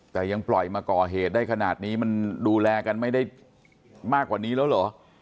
แต่ยังปล่อยมาก่อเหตุได้ขนาดนี้มันดูแลกันไม่ได้มากกว่านี้แล้วเหรอ